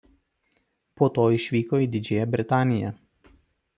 Po to išvyko į Didžiąją Britaniją.